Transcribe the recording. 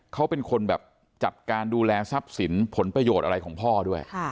เขาเป็นคนแบบจัดการดูแลทรัพย์สินผลประโยชน์อะไรของพ่อด้วย